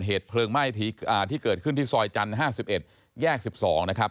เหตุเพลิงไหม้ที่เกิดขึ้นที่ซอยจันทร์๕๑แยก๑๒นะครับ